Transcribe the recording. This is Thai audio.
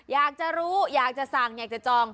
อยากจะรู้อยากจะสั่งอยากจะจอง